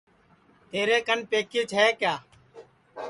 تیرے کن پکیچ ہے کیا